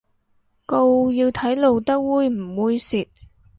告要睇露得猥唔猥褻